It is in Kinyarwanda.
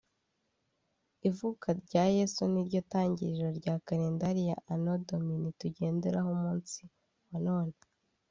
Ivuka rya Yezu ni yo ntangiriro rya kalendari ya Anno Domini tugenderaho umunsi wa none